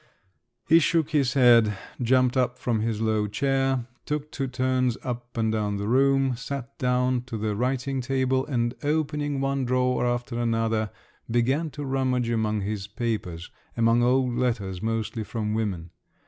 He shook his head, jumped up from his low chair, took two turns up and down the room, sat down to the writing table, and opening one drawer after another, began to rummage among his papers, among old letters, mostly from women.